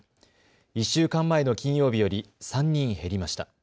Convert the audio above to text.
１週間前の金曜日より３人減りました。